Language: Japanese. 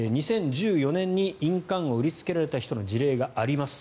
２０１４年に印鑑を売りつけられた人の事例があります